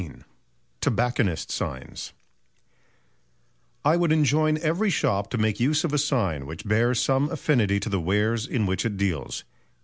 XV TOBACCONISTS' SIGNS "I would enjoin every shop to make use of a sign which bears some affinity to the wares in which it deals."